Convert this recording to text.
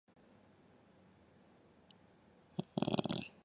道光二十七年成丁未科二甲进士。